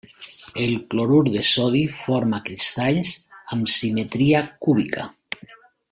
El clorur de sodi forma cristalls amb simetria cúbica.